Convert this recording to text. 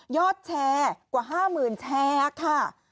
แชร์กว่า๕๐๐๐แชร์ค่ะ